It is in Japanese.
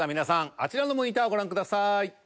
あちらのモニターをご覧ください。